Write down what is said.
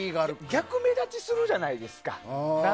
逆目立ちするじゃないですか。